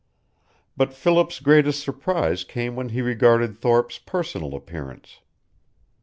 But Philip's greatest surprise came when he regarded Thorpe's personal appearance.